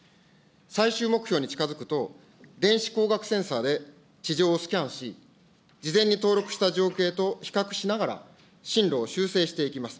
最終目標に近づくと、電子光学センサーで地上をスキャンし、事前に登録した情景と比較しながら、針路を修正していきます。